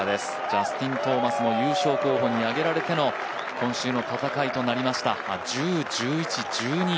ジャスティン・トーマスも優勝候補に挙げられての今週の戦いとなりました。